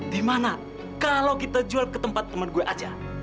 dimana kalau kita jual ke tempat temen gue aja